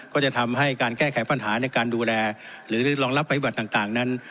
ก็จะทำให้การแก้ไขปัญหาในการดูแลหรือรองรับปฏิบัติต่างนั้น